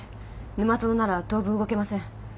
沼園なら当分動けません。